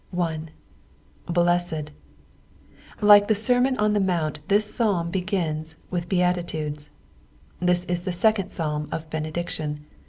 1. "SlesteA,'''' Like tbe sermon on the mount, this Psalm begins with beati tudes. This is the second Psalm of benediction.